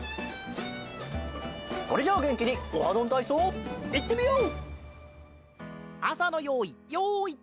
それじゃあげんきに「オハどんたいそう」いってみよう！